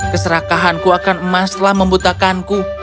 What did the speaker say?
keserakahanku akan emaslah membutakanku